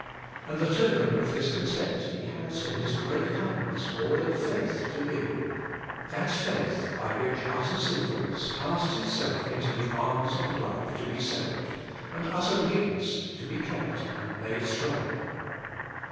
And the token of this consent He has in His great kindness ordered faith to be, — that faith by which utter sinfulness casts itself into the arms of love to be saved, and utter weakness to be kept and made strong.